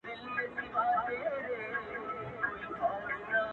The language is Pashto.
دغه سُر خالقه دغه تال کي کړې بدل”